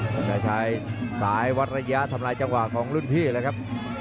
ก็จะใช้สายวัดระยะทำลายจังหวะของรุ่นพี่เลยครับ